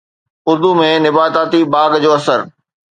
اردو ۾ نباتاتي باغ جو اثر